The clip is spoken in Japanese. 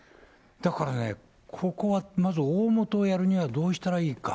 だからね、ここはまず、大本をやるにはどうしたらいいか。